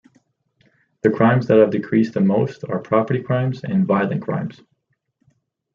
The crimes that have decreased the most are property crimes and violent crimes.